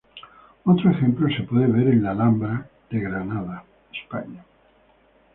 Otro ejemplo se puede ver en la Alhambra en España.